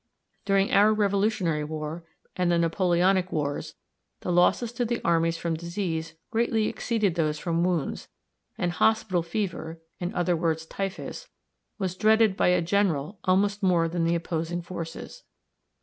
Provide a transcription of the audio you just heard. During our Revolutionary War, and the Napoleonic wars, the losses to the armies from disease greatly exceeded those from wounds; and hospital fever in other words, typhus was dreaded by a general almost more than the opposing forces.